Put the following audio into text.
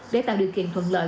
để tạo điều kiện thuận lợi